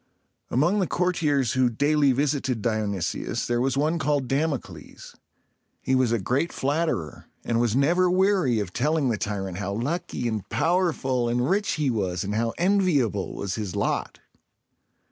Among the courtiers who daily visited Dionysius there was one called Dam´o cles. He was a great flatterer, and was never weary of telling the tyrant how lucky and powerful and rich he was, and how enviable was his lot.